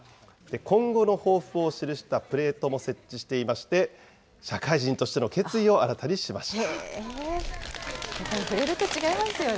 今後の抱負を記したプレートも設置していまして、社会人としての決意を新たにしました。